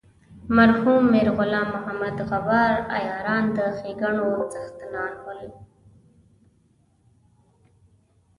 مرحوم میر غلام محمد غبار عیاران د ښیګڼو څښتنان بولي.